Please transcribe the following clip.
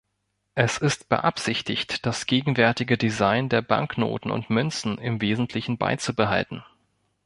Es ist beabsichtigt, das gegenwärtige Design der Banknoten und Münzen im Wesentlichen beizubehalten.